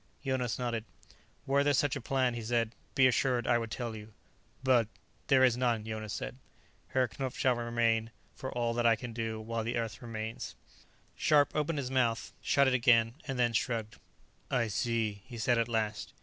Jonas nodded. "Were there such a plan," he said, "be assured I would tell you." "But " "There is none," Jonas said. "Herr Knupf shall remain, for all that I can do, while the earth remains." Scharpe opened his mouth, shut it again, and then shrugged. "I see," he said at last.